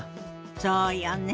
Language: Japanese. そうよね。